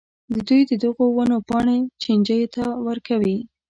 دوی د دغو ونو پاڼې چینجیو ته ورکوي.